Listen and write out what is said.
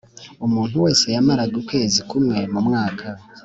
Umuntu wese yamaraga ukwezi kumwe mu mwaka